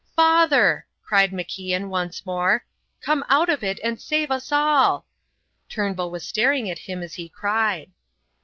"Father," cried MacIan, once more, "come out of it and save us all!" Turnbull was staring at him as he cried.